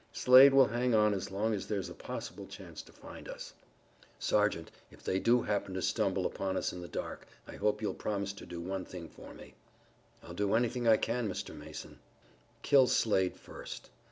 Slade will hang on as long as there's a possible chance to find us." "Sergeant, if they do happen to stumble upon us in the dark I hope you'll promise to do one thing for me." "I'll do anything I can, Mr. Mason." "Kill Slade first.